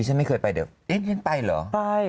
ฉันไม่เคยไปเดี๋ยวเอ๊ะฉันไปเหรอไป